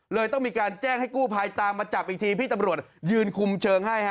เลยต้องมีการแจ้งให้กู้ภัยตามมาจับอีกทีพี่ตำรวจยืนคุมเชิงให้ฮ